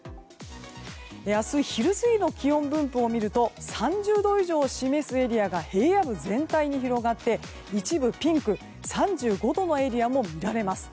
明日、昼過ぎの気温分布を見ると３０度以上を示すエリアが平野部全体に広がって一部ピンク、３５度のエリアも見られます。